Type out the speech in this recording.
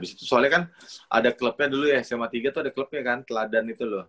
soalnya kan ada clubnya dulu ya sma tiga tuh ada clubnya kan teladan itu loh